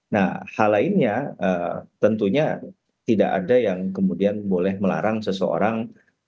nah hal lainnya tentunya tidak ada yang kemudian boleh melarang seseorang